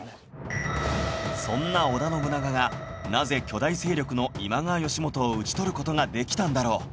そんな織田信長がなぜ巨大勢力の今川義元を討ち取る事ができたんだろう？